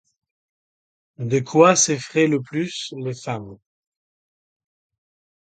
De quoi s’effraient le plus les femmes ?